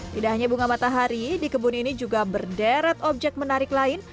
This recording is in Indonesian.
tidak hanya bunga matahari di kebun ini juga berderet objek menarik lain